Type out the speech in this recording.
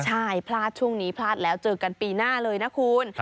ใช่พลาดช่วงนี้พลาดแล้วเจอกันปีหน้าเลยนะคุณ